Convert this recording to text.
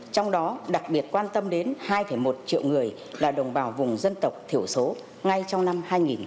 trong đó đặc biệt quan tâm đến hai một triệu người là đồng bào vùng dân tộc thiểu số ngay trong năm hai nghìn một mươi chín